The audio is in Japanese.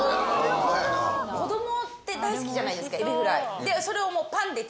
子どもって大好きじゃないですか、エビフライ。